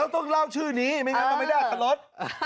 ต้องเล่าชื่อนี้ไม่งั้นก็ไม่ได้อัตรรส